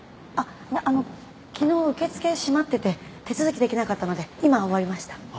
あっあの昨日受付閉まってて手続きできなかったので今終わりました。